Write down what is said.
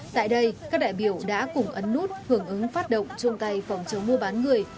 tại đây các đại biểu đã cùng ấn nút hưởng ứng phát động chung tay phòng chống mua bán người